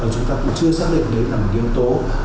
chúng ta cũng chưa xác định đấy là một yếu tố